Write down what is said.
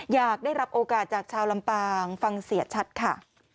อยากได้รับโอกาสจากชาวลำปางฟังเสียชัดค่ะ